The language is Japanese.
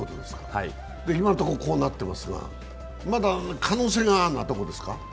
今のところ、こうなってますがまだ可能性があるのは、どこですか？